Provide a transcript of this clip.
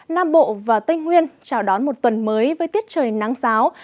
nam bộ và tây nguyên chào đón một tuần mới với tiết trời nắng giáo